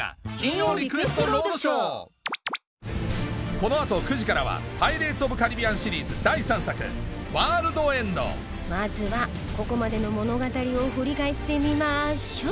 この後９時からは『パイレーツ・オブ・カリビアン』シリーズ第３作『ワールド・エンド』まずはここまでの物語を振り返ってみましょう！